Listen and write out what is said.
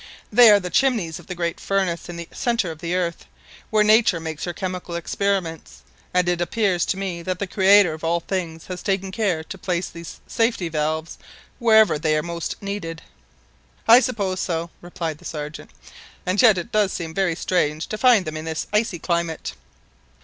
They are the chimneys of the great furnace in the centre of the earth, where Nature makes her chemical experiments, and it appears to me that the Creator of all things has taken care to place these safety valves wherever they were most needed." "I suppose so," replied the Sergeant; "and yet it does seem very strange to find them in this icy climate."